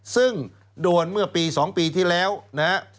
ซึ่งโดนเมื่อปี๒ปีที่แล้วนะฮะ